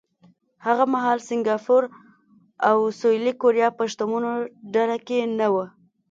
هغه مهال سینګاپور او سویلي کوریا په شتمنو ډله کې نه وو.